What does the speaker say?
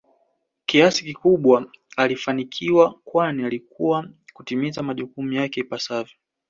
kiasi kikubwa alifanikiwa kwani aliweza kutimiza majukumu yake ipasavyo